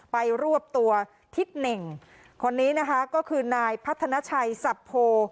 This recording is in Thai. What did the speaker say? รวบตัวทิศเหน่งคนนี้นะคะก็คือนายพัฒนาชัยสับโพ